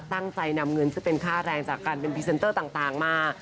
ตั้งใจนำเงินซึ่งเป็นค่าแรงจากการเป็นพรีเซนเตอร์ต่างมา